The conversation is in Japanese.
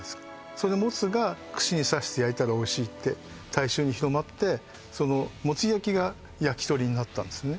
そのモツが串に刺して焼いたらおいしいって大衆に広まってモツ焼きがやきとりになったんですね